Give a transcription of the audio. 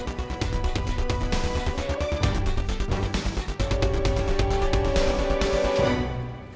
tante aku mau ke rumah